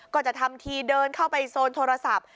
ก็จะทำทีเดินเข้าไปโซนโทรศัพท์